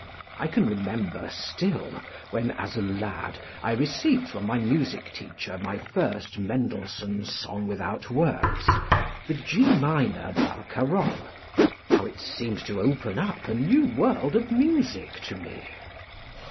I can remember still, when, as a lad, I received from my music teacher my first Mendelssohn "Song Without Words," the G minor barcarolle, how it seemed to open up a new world of music to me.